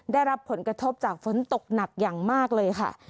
ได้รับผลกระทบจากฝนตกหนักอย่างมากเลยค่ะ